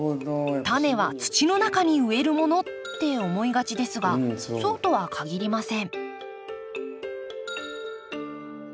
タネは土の中に植えるものって思いがちですがそうとはかぎりません